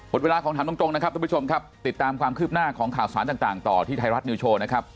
เวลาของถามตรงนะครับทุกผู้ชมครับติดตามความคืบหน้าของข่าวสารต่างต่อที่ไทยรัฐนิวโชว์นะครับ